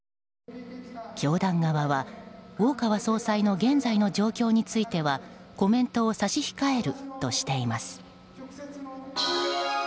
教団側は、大川総裁の現在の状況についてはコメントを差し控えるとしています。